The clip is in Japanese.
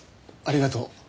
ありがとう。